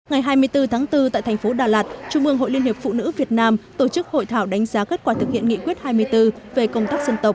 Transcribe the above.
ngày hai mươi bốn tháng bốn tại thành phố đà lạt trung ương hội liên hiệp phụ nữ việt nam tổ chức hội thảo đánh giá kết quả thực hiện nghị quyết hai mươi bốn về công tác dân tộc